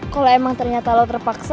kalau emang ternyata lo terpaksa